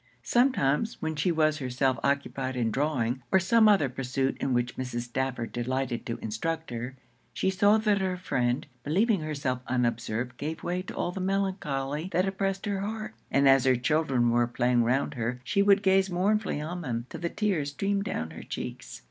Sometimes, when she was herself occupied in drawing, or some other pursuit in which Mrs. Stafford delighted to instruct her, she saw that her friend, believing herself unobserved, gave way to all the melancholy that oppressed her heart; and as her children were playing round her, she would gaze mournfully on them 'till the tears streamed down her cheeks.